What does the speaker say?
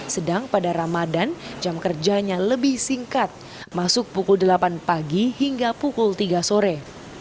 sedang pada ramadan jam kerjanya lebih singkat masuk pukul delapan pagi hingga pukul tiga sore